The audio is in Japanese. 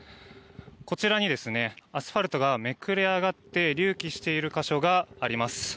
こちらにアスファルトがめくれ上がって隆起している箇所があります。